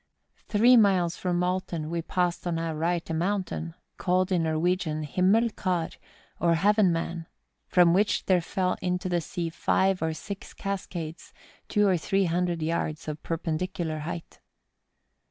Three miles from Alten we passed on our right a mountain, called in Nor¬ wegian Himellar, or Heaven man, from which there fell into the sea five or six cascades, two or three hundred yards of perpendicular height.